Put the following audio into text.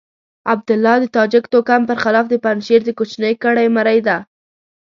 عبدالله د تاجک توکم پر خلاف د پنجشير د کوچنۍ کړۍ مرۍ ده.